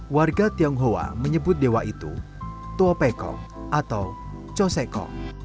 warga tionghoa menyebut dewa itu tuopeko atau coseko